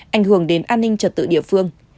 ảnh hưởng đến an ninh trật tự địa phương